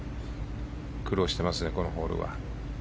苦労してますね、このホールは。